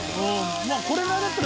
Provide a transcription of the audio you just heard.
まあこれぐらいだったら。